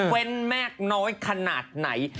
เว้นมากน้อยขนาดไหน